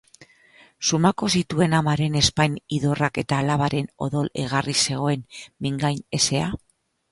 Sumatuko zituen amaren ezpain idorrak eta alabaren odol-egarriz zegoen mingain hezea?